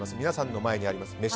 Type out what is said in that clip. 皆さんの前にあります。